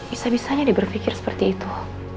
bisa bisanya diberpikir seperti itu